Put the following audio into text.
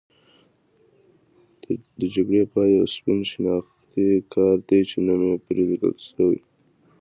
د جګړې پای یو سپین شناختي کارت دی چې نوم پرې لیکل شوی.